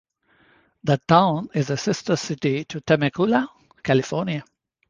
The town is a sister city to Temecula, California.